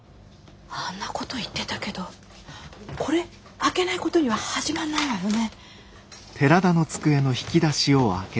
あんなこと言ってたけどこれ開けないことには始まんないわよね。